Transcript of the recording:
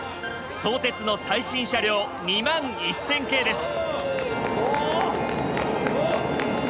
相鉄の最新車両２１０００系です。